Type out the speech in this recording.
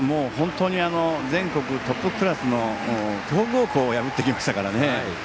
全国トップクラスの強豪校を破ってきましたからね。